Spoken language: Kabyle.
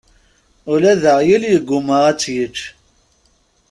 Ula d aɣyul yegguma ad tt-yečč.